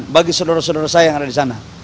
bagi saudara saudara saya yang ada di sana